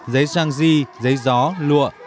giấy trang di giấy gió lụa